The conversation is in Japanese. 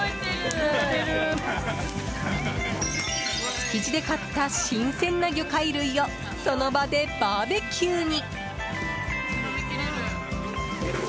築地で買った新鮮な魚介類をその場でバーベキューに。